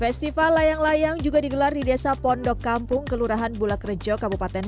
festival layang layang juga digelar di desa pondok kampung kelurahan bulak rejo kabupaten